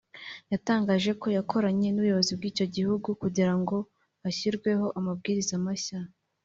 yatangaje ko yakoranye n’ubuyobozi bw’icyo gihugu kugira ngo hashyirweho amabwiriza mashya